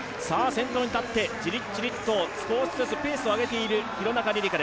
先頭に立って、ジリッジリッと少しずつペースを上げている廣中璃梨佳。